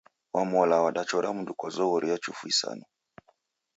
Wamola wadachora mundu kwa zoghori ya chufu isanu.